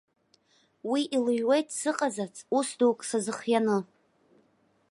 Уи илыҩуеит сыҟазарц ус дук сазыхианы.